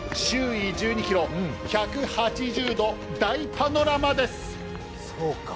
周囲１２ｋｍ、１８０度大パノラマです。